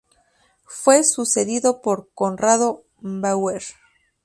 Fue sucedido por Conrado Bauer.